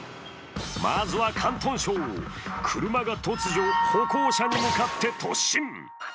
まずは広東省、車が突如、歩行者に向かって突進。